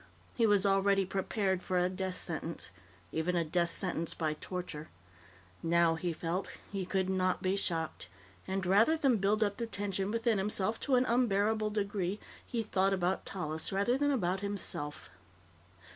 He was already prepared for a death sentence even a death sentence by torture. Now, he felt, he could not be shocked. And, rather than build up the tension within himself to an unbearable degree, he thought about Tallis rather than about himself.